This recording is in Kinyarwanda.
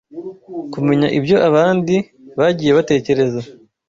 Kumenya ibyo abandi bagiye batekereza